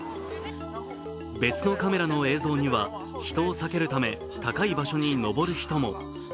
別のカメラの映像には人を避けるため高い場所に登る人も。